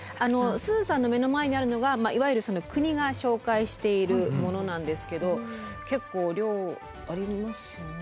すずさんの目の前にあるのがいわゆる国が紹介しているものなんですけど結構量ありますよね。